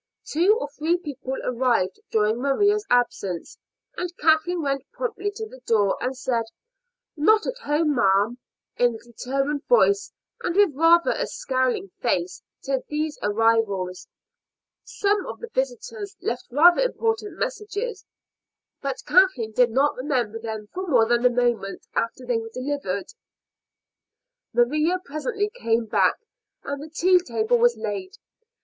Two or three people arrived during Maria's absence, and Kathleen went promptly to the door and said, "Not at home, ma'am," in a determined voice, and with rather a scowling face, to these arrivals. Some of the visitors left rather important messages, but Kathleen did not remember them for more than a moment after they were delivered. Maria presently came back and the tea table was laid.